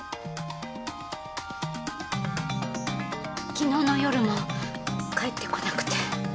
昨日の夜も帰ってこなくて。